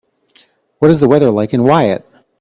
What is the weather like in Wyatte